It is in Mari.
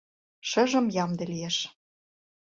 — Шыжым ямде лиеш.